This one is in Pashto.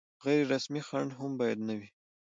غیر رسمي خنډ هم باید نه وي.